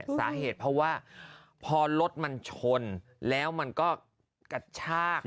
สาเหตุเพราะว่าพอรถมันชนแล้วมันก็กระชาก